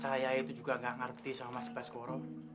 saya itu juga gak ngerti sama mas baskoro